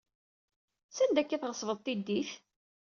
Sanda akka ay tɣeṣbed tiddit?